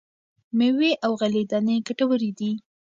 مېوې او غلې دانې ګټورې دي.